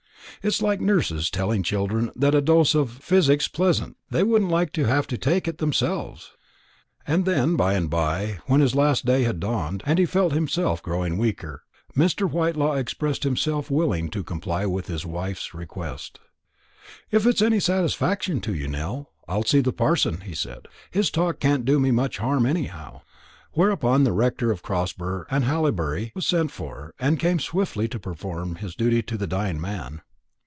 It's like nurses telling children that a dose of physic's pleasant; they wouldn't like to have to take it themselves." And then by and by, when his last day had dawned, and he felt himself growing weaker, Mr. Whitelaw expressed himself willing to comply with his wife's request. "If it's any satisfaction to you, Nell, I'll see the parson," he said. "His talk can't do me much harm, anyhow." Whereupon the rector of Crosber and Hallibury was sent for, and came swiftly to perform his duty to the dying man.